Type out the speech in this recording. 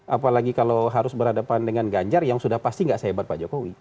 apalagi kalau harus berhadapan dengan ganjar yang sudah pasti nggak sehebat pak jokowi